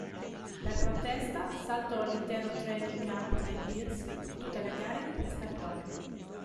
Per protesta, saltò l'intero training camp dei Bills e tutte le gare di pre-stagione.